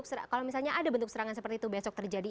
kalau misalnya ada bentuk serangan seperti itu besok terjadi